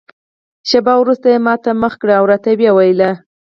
شېبه وروسته یې ما ته مخ کړ او راته ویې ویل.